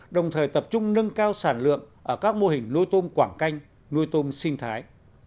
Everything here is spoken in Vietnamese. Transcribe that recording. đồng thời tập trung nâng cao sản lượng ở các mô hình nuôi tôm quảng canh nuôi tôm sinh thái